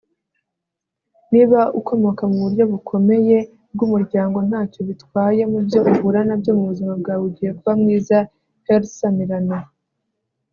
niba ukomoka muburyo bukomeye bwumuryango, ntacyo bitwaye mubyo uhura nabyo mubuzima bwawe. ugiye kuba mwiza. - alyssa milano